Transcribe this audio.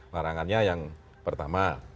larangannya yang pertama